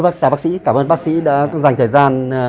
cảm ơn bác sĩ đã dành thời gian